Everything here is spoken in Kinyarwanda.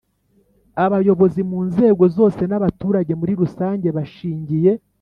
Abayobozi mu nzego zose n’abaturage muri rusange bashingiye